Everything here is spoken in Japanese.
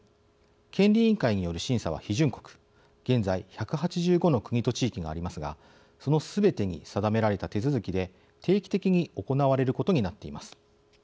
権利委員会による審査は批准国現在１８５の国と地域がありますがそのすべてに定められた手続きで定期的に行われることになっています。